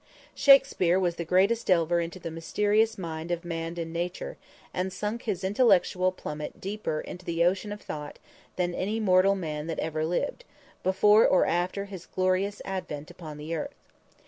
Shakspere was the greatest delver into the mysterious mind of man and Nature, and sunk his intellectual plummet deeper into the ocean of thought than any mortal that ever lived, before or after his glorious advent upon the earth.